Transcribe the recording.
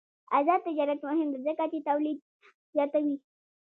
آزاد تجارت مهم دی ځکه چې تولید زیاتوي.